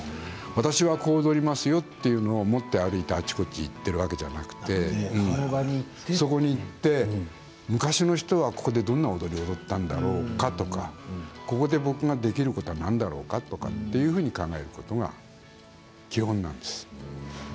私はこう踊りますよというのを持って歩いてあちこちに行っているわけではなくそこに行って、昔の人はここでどういう踊りを踊ったんだろうかとかここで僕ができることは何だろうかっていうことを考えるのが基本なんです。